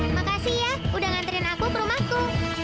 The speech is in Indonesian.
makasih ya udah nganterin aku ke rumahku